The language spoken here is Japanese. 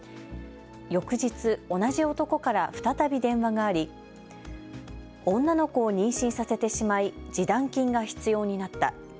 翌日、同じ男から再び電話があり女の子を妊娠させてしまい示談金が必要になった。